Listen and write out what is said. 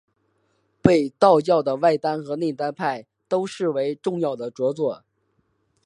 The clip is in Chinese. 被道教的外丹和内丹派都视为重要的着作。